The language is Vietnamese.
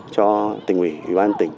cho tỉnh ủy ủy ban tỉnh